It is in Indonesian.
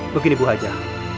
begini ibu hajah